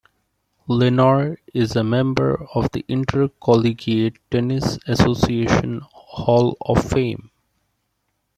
Lenoir is a member of the Intercollegiate Tennis Association Hall of Fame.